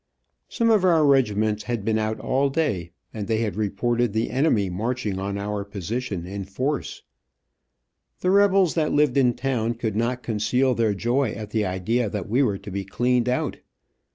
Some of our regiments had been out all day, and they reported the enemy marching on our position, in force. The rebels that lived in town could not conceal their joy at the idea that we were to be cleaned out.